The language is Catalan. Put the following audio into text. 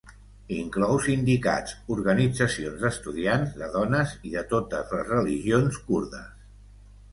Inclou sindicats, organitzacions d'estudiants, de dones i de totes les religions kurdes.